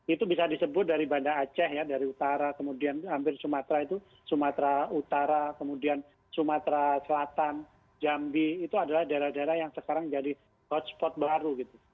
itu bisa disebut dari banda aceh ya dari utara kemudian hampir sumatera itu sumatera utara kemudian sumatera selatan jambi itu adalah daerah daerah yang sekarang jadi hotspot baru gitu